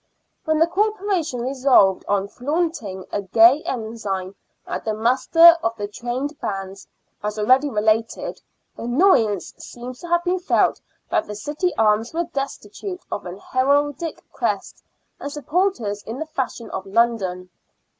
When the Corporation resolved on flaunting a gay ensign at the muster of the trained bands, as already related, annoyance seems to have been felt that the city arms were destitute of an heraldic crest and supporters, in the fashion of London.